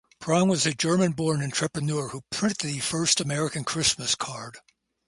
Prang was a German-born entrepreneur who printed the first American Christmas card.